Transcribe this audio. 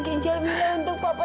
kenjal mila untuk papa